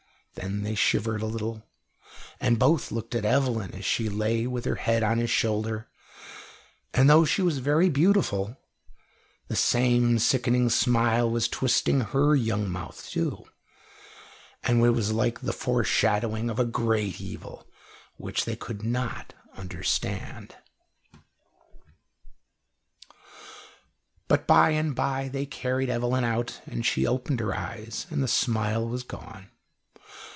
Then they shivered a little, and both looked at Evelyn as she lay with her head on his shoulder, and, though she was very beautiful, the same sickening smile was twisting her young mouth too, and it was like the foreshadowing of a great evil which they could not understand. But by and by they carried Evelyn out, and she opened her eyes and the smile was gone.